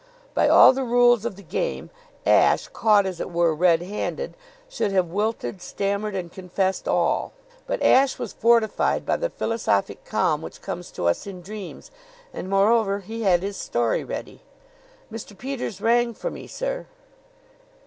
By all the rules of the game, Ashe, caught, as it were, red handed, should have wilted, stammered and confessed all; but Ashe was fortified by that philosophic calm which comes to us in dreams, and, moreover, he had his story ready. "Mr. Peters rang for me, sir."